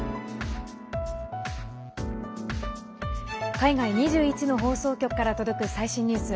海外２１の放送局から届く最新ニュース。